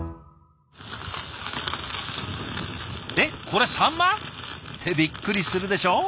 これサンマ？」ってびっくりするでしょう？